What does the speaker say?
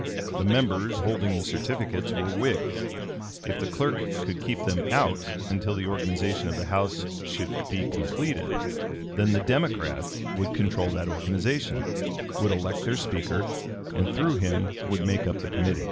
The members holding the certificates were Whigs; if the clerk could keep them out until the organization of the House should be completed, then the Democrats would control that organization, would elect their Speaker, and through him would make up the committees.